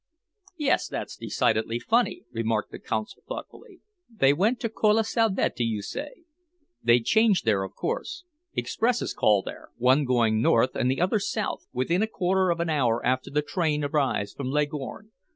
"Yes. That's decidedly funny," remarked the Consul thoughtfully. "They went to Colle Salvetti, you say? They changed there, of course. Expresses call there, one going north and the other south, within a quarter of an hour after the train arrives from Leghorn.